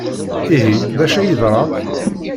Ihi, d acu ay yeḍran?